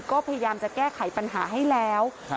ก็พยายามจะแก้ไขปัญหาให้แล้ว